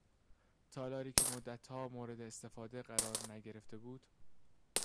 تالاری که مدتها مورد استفاده قرار نگرفته بود